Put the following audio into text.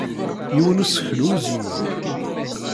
Yiwen useklu uzemmur.